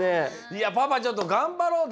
いやパパちょっと頑張ろう。